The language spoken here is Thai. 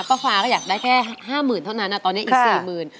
ป้าฟ้าก็อยากได้แค่ห้าหมื่นเท่านั้นตอนนี้อีกสี่หมื่น